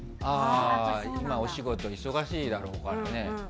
お仕事、忙しいだろうからね。